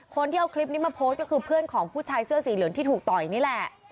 คนที่เอาคลิปนี้มาโพสต์ก็คือเพื่อนของผู้ชายเสื้อสีเหลืองที่ถูกต่อยนี่แหละ